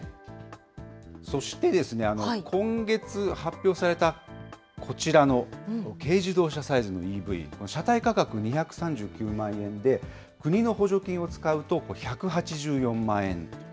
そして今月発表されたこちらの軽自動車サイズのＥＶ、車体価格２３９万円で、国の補助金を使うと１８４万円。